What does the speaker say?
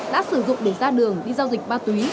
đã sử dụng để ra đường đi giao dịch ma túy